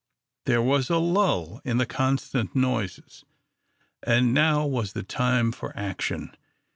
There was a lull in the constant noises, and now was the time for action.